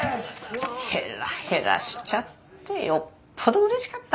ヘラッヘラしちゃってよっぽどうれしかったんだろうね。